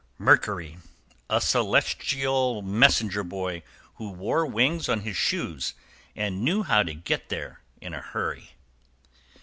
=MERCURY. A celestial messenger boy, who wore wings on his shoes and knew how "to get there" in a hurry.